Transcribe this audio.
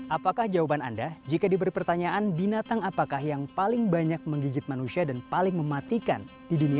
apakah jawaban anda jika diberi pertanyaan binatang apakah yang paling banyak menggigit manusia dan paling mematikan di dunia